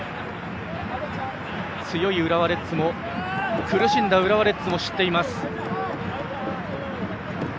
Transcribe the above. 強い浦和レッズも苦しんだ浦和レッズも知っています。